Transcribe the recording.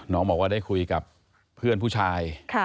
บอกว่าได้คุยกับเพื่อนผู้ชาย